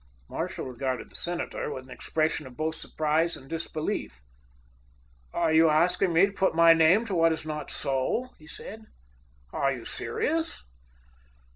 Marshall regarded the senator with an expression of both surprise and disbelief. "Are you asking me to put my name to what is not so?" he said. "Are you serious?"